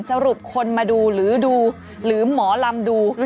สรุปคนมาดูหรือดูหรือหมอลำดู